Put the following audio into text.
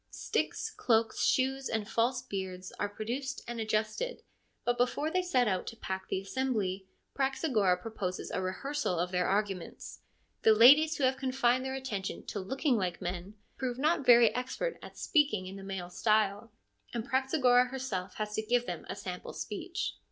Sticks, cloaks, shoes, and false beards are produced and adjusted, but before they set out to pack the assembly Praxagora proposes a rehearsal of their arguments. The ladies who have confined their attention to looking like men prove not very 164 FEMINISM IN GREEK LITERATURE expert at speaking in the male style, and Praxagora herself has to give them a sample speech.